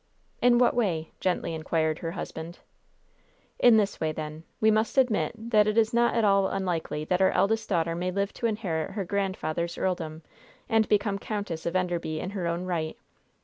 "In what way?" gently inquired her husband. "In this way, then: We must admit that it is not at all unlikely that our eldest daughter may live to inherit her grandfather's earldom and become Countess of Enderby in her own right.